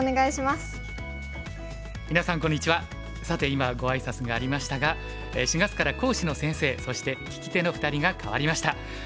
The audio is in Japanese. さて今ご挨拶がありましたが４月から講師の先生そして聞き手の２人が代わりました。